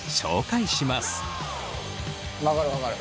分かる分かる。